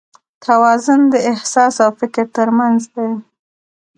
توازن د احساس او فکر تر منځ دی.